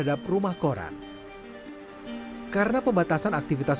hidaya beliau dari petani karrapiah